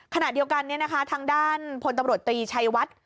ขนาดเดียวกันนี้นะคะทางด้านพลตำรวจตรีชัยวัด